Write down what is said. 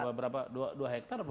ada berapa dua hektare